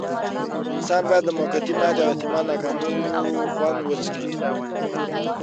انسان بايد د موقتې ماتې او احتمالي ناکاميو خوند وڅکي.